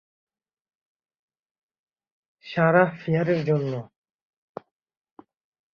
Sarah ফিয়ারের জন্য।